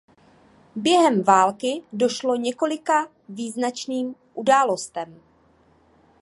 Během války došlo několika význačným událostem.